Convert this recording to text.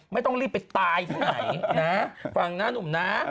ไม่ต้องรีบไปตายที่ไหนนะฟังนะหนุ่มนะ